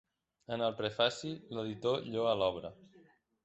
En el prefaci, l'editor lloa l'obra.